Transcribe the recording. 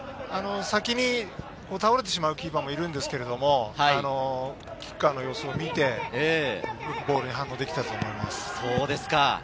先に倒れてしまうキーパーもいるんですけれど、キッカーの様子を見て、ボールに反応できたと思います。